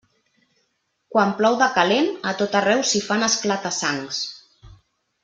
Quan plou de calent, a tot arreu s'hi fan esclata-sangs.